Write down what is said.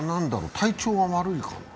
体調が悪いかな？